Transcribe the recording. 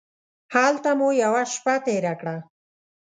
هلته مو یوه شپه تېره کړه.